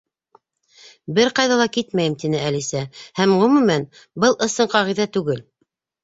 —Бер ҡайҙа ла китмәйем, —тине Әлисә. —һәм, ғөмүмән, был ысын ҡағиҙә түгел.